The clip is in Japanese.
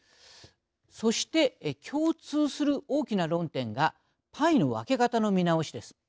そして共通する大きな論点がパイの分け方の見直しです。